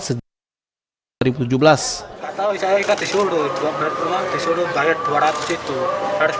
aha menjual korban dari media sosial